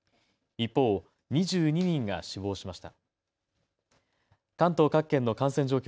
一方、２２人が死亡しました。